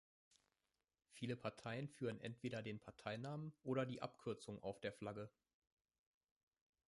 Viele Parteien führen entweder den Parteinamen oder die Abkürzung auf der Flagge.